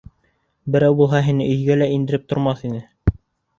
Берәү булһа, һине өйгә лә индереп тормаҫ ине!